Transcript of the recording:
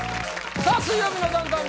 さあ「水曜日のダウンタウン」